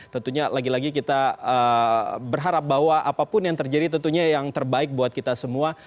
tentunya lagi lagi kita berharap bahwa apapun yang terjadi tentunya yang terbaik buat kita semua